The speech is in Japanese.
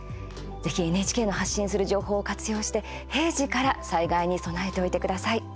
ぜひ、ＮＨＫの発信する情報を活用して、平時から災害に備えておいてください。